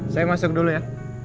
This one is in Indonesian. saya masuk dulu ya